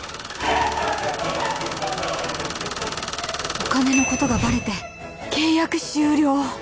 お金のことがバレて契約終了